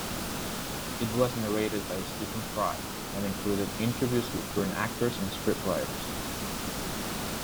It was narrated by Stephen Fry and included interviews with current actors and scriptwriters.